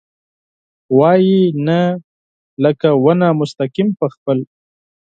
وايي ، نه ، لکه ونه مستقیم په خپل ...